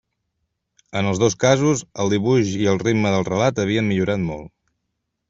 En els dos casos, el dibuix i el ritme del relat havien millorat molt.